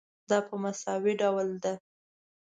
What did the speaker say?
دا په مساوي ډول ده.